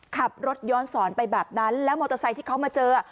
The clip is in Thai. ขับรถย้อนสอนไปแบบนั้นแล้วมอเตอร์ไซค์ที่เขามาเจอ